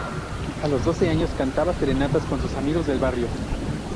A los doce años cantaba serenatas con sus amigos del barrio.